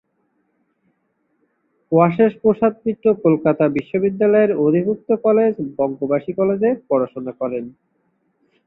অশেষ প্রসাদ মিত্র কলকাতা বিশ্ববিদ্যালয়ের অধিভুক্ত কলেজ বঙ্গবাসী কলেজে পড়াশোনা করেছেন।